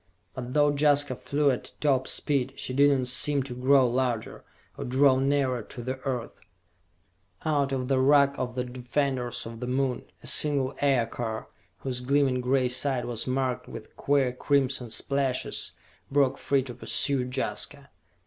But though Jaska flew at top speed, she did not seem to grow larger, or draw nearer to the Earth! Out of the ruck of the defenders of the Moon, a single Aircar, whose gleaming gray side was marked with queer crimson splashes, broke free to pursue Jaska!